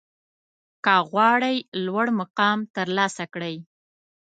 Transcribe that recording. که غواړئ لوړ مقام ترلاسه کړئ